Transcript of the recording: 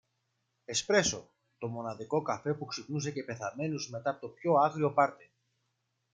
Εσπρέσο, το μοναδικό καφέ που ξυπνούσε και πεθαμένους μετά από το πιο άγριο πάρτι